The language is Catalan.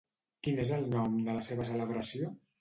Quin és el nom de la seva celebració?